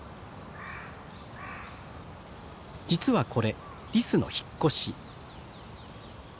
実はこれリスの引っ越し。